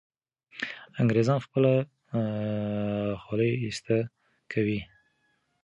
انګریزان خپله خولۍ ایسته کوي.